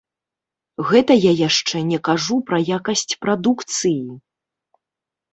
Гэта я яшчэ не кажу пра якасць прадукцыі!